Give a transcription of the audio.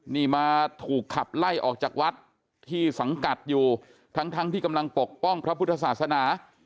นี่มาถูกขับไล่ออกจากวัดที่สังกัดอยู่ทั้งที่กำลังปกป้องพระพุทธศาสนา